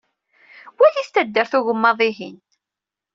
Walit taddart ugemmaḍ-ihin.